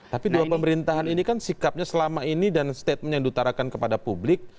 tapi dua pemerintahan ini kan sikapnya selama ini dan statement yang diutarakan kepada publik